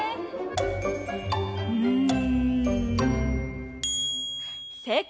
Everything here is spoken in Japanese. うん。